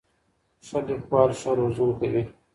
ښه لیکوال ښه روزونکی وي.